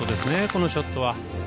このショットは。